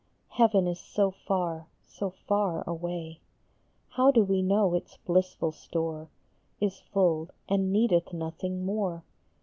Heaven is so far, so far away ! How do we know its blissful store Is full and needeth nothing more?